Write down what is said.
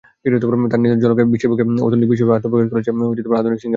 তাঁর নেতৃত্বের ঝলকে বিশ্বের বুকে অর্থনৈতিক বিস্ময় হিসেবে আত্মপ্রকাশ করেছে আধুনিক সিঙ্গাপুর।